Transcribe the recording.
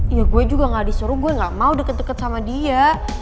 ya gue juga gak disuruh gue gak mau deket deket sama dia